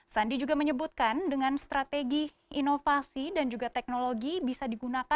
sandi juga menyebutkan dengan strategi inovasi dan juga teknologi bisa digunakan